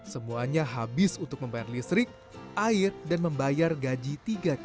semuanya habis untuk membayar listrik air dan membayar gaji